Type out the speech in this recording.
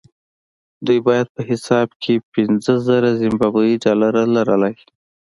دوی باید په حساب کې پنځه زره زیمبابويي ډالر لرلای.